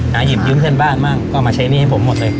หยิบยืมเพื่อนบ้านบ้างก็มาใช้หนี้ให้ผมหมดเลย